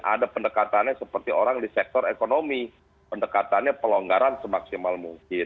ada pendekatannya seperti orang di sektor ekonomi pendekatannya pelonggaran semaksimal mungkin